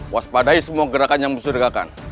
waspadai semua gerakan yang bersyurga kan